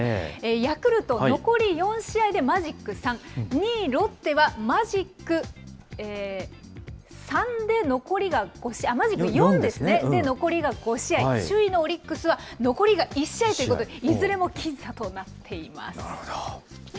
ヤクルト残り４試合でマジック３、２位ロッテは、マジック４で残りが５試合、首位のオリックスは残りが１試合ということで、いずれも僅差となっています。